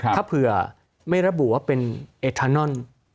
ถ้าเผื่อไม่ระบุว่าเป็นเอทานอน